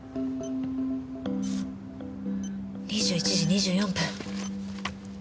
２１時２４分。